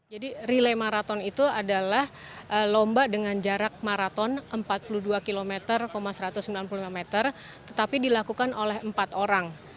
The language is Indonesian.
jadi relay marathon itu adalah lomba dengan jarak maraton empat puluh dua satu ratus sembilan puluh lima meter tetapi dilakukan oleh empat orang